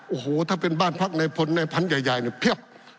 โอ้โหถ้าเป็นบ้านพักในพลในพันธุ์ใหญ่เนี่ยเพียบ